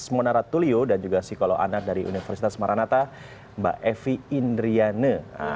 monaratulio dan juga psikolog anak dari universitas maranata mbak evi indriane